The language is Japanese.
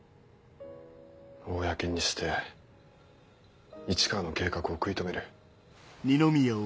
公にして市川の計画を食い止める。